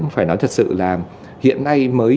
phải nói thật sự là hiện nay mới